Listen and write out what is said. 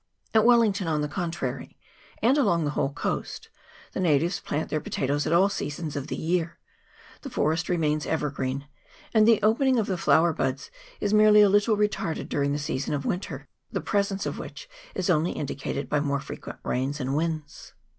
At Wellington, on the con trary, and along the whole coast, the natives plant their potatoes at all seasons of the year, the forest remains evergreen, and the opening of the flower buds is merely a little retarded during the season of winter, the presence of which is only indicated by more frequent rains and winds.